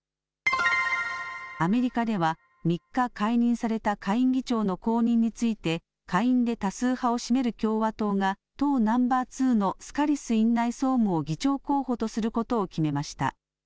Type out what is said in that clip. アメリカでは３日、解任された下院議長の後任について下院で多数派を占める共和党が党ナンバー２のスカリス院内総務を議長候補とすることを決めました。